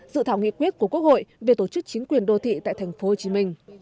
dự thảo nghị quyết của quốc hội về tổ chức chính quyền đô thị tại tp hcm